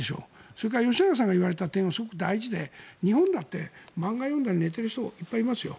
それから、吉永さんが言われた点はすごく大事で日本だって漫画読んだり、寝ている人いっぱいいますよ。